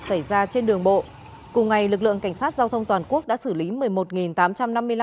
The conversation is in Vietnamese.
xảy ra trên đường bộ cùng ngày lực lượng cảnh sát giao thông toàn quốc đã xử lý một mươi một tám trăm linh người